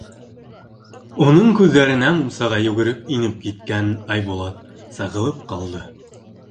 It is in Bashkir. Уның күҙҙәренә мунсаға йүгереп инеп киткән Айбулат сағылып ҡалды.